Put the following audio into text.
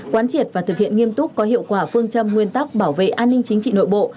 quán triệt và thực hiện nghiêm túc có hiệu quả phương châm nguyên tắc bảo vệ an ninh chính trị nội bộ